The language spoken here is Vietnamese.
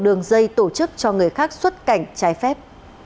đường dây tổ chức cho người khác xuất cảnh trái phép